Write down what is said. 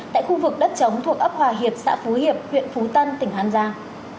tại khu vực đất chống thuộc ấp hòa hiệp xã phú hiệp huyện phú tân tỉnh an giang